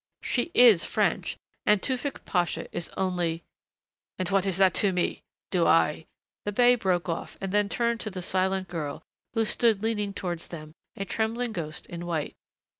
She is French and Tewfick Pasha is only " "And what is that to me? Do I " the bey broke off and then turned to the silent girl who stood leaning towards them, a trembling ghost in white.